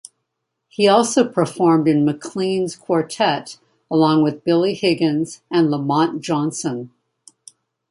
He also performed in McLean's quartet, along with Billy Higgins and LaMont Johnson.